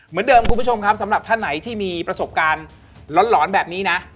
เหมือนเดิมคุณผู้ชมครับสำหรับท่านไหนที่มีประสบการณ์หลอนแบบนี้นะ